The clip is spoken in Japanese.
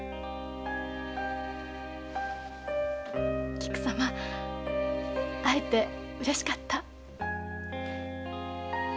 菊様会えてうれしかった。